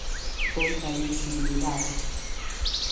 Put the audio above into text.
Contra a invisibilidade.